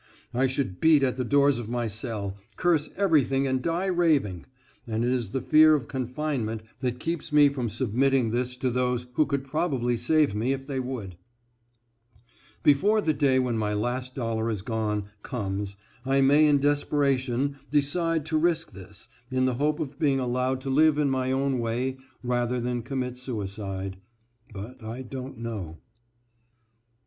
I should beat at the doors of my cell, curse everything and die raving, and it is the fear of confinement that keeps me from submitting this to those who could probably save me if they would. Before the day when my last dollar is gone comes I may in desperation [decide] to risk this, in the hope of being allowed to live in my own way rather than commit suicide, but I don't know.